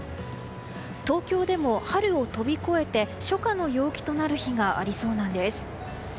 東京でも春を飛び越えて初夏の陽気となる日がありそうなんです。